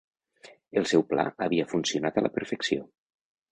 El seu pla havia funcionat a la perfecció.